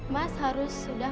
mas harus sudah